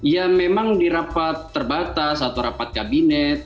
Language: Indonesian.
ya memang di rapat terbatas atau rapat kabinet